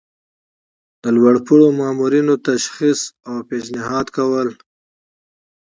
د لوړ پوړو مامورینو تشخیص او پیشنهاد کول.